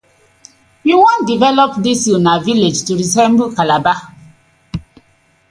We wan develop dis una villag to resemble Calabar.